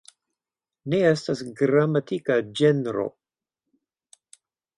Ne estas gramatika ĝenro.